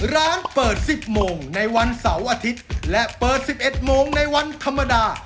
ร้านเปิด๑๐โมงในวันเสาร์อาทิตย์และเปิด๑๑โมงในวันธรรมดา